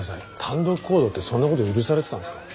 単独行動ってそんな事許されてたんですか？